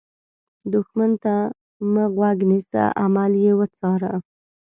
دښمن ته مه غوږ نیسه، عمل یې وڅار